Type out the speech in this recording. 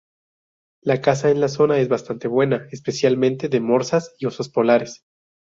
La caza en la zona es bastante buena, especialmente de morsas y osos polares.